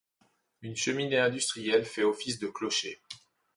Une cheminée industrielle fait office de clocher.